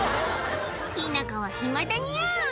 「田舎は暇だニャ」